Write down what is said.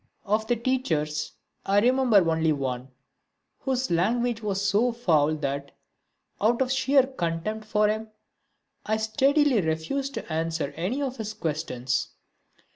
Of the teachers I remember only one, whose language was so foul that, out of sheer contempt for him, I steadily refused to answer any one of his questions.